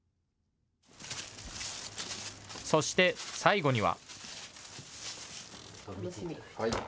そして最後には。